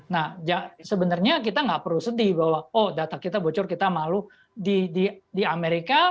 nah sebenarnya kita nggak perlu sedih bahwa oh data kita bocor kita malu di amerika di china di vietnam di sisi a